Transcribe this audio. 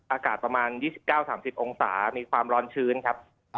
อากาศประมาณ๒๙๓๐องศามีความร้อนชื้นครับ